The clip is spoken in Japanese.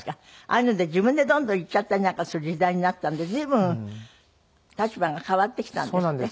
ああいうので自分でどんどん言っちゃったりなんかする時代になったんで随分立場が変わってきたんですって？